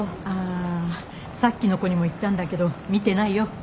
ああさっきの子にも言ったんだけど見てないよ。